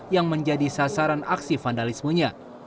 yang menjadi sasaran aksi vandalismenya